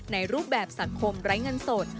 ในรูปแบบสังคมไร้เงินสด